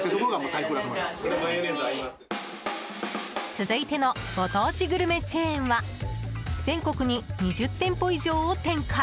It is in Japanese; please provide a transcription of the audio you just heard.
続いてのご当地グルメチェーンは全国に２０店舗以上を展開